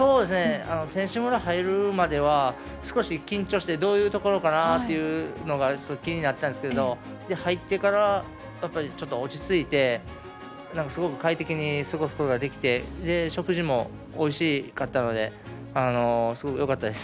選手村入るまでは少し緊張してどういうところかなというのがすごく気になっていたんですが入ってから、ちょっと落ち着いてすごく快適に過ごすことができて食事もおいしかったのですごくよかったです。